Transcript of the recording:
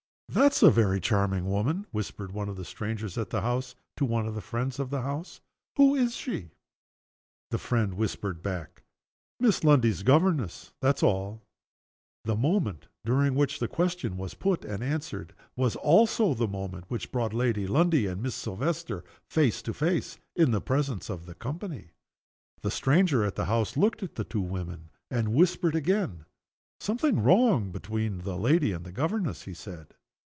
"That's a very charming woman," whispered one of the strangers at the house to one of the friends of the house. "Who is she?" The friend whispered back. "Miss Lundie's governess that's all." The moment during which the question was put and answered was also the moment which brought Lady Lundie and Miss Silvester face to face in the presence of the company. The stranger at the house looked at the two women, and whispered again. "Something wrong between the lady and the governess," he said.